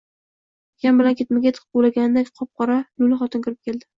Akam bilan ketma-ket xuddi quvlagandek, qop-qora lo‘li xotin kirib keldi.